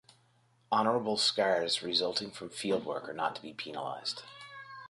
Honorable scars resulting from field work are not to be penalized.